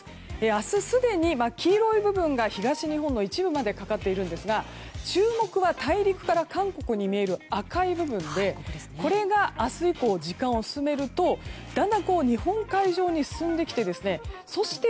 明日すでに、黄色い部分が東日本の一部までかかっているんですが注目は大陸から韓国に見える赤い部分でこれが明日以降、時間を進めるとだんだん日本海上に進んできてそして